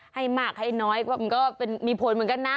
ให้มากให้น้อยมันก็มีผลเหมือนกันนะ